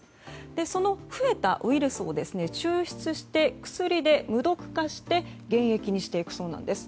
その増えたウイルスを抽出して薬で無毒化して原液にしていくそうなんです。